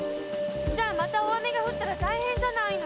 じゃあまた大雨が降ったら大変じゃないの。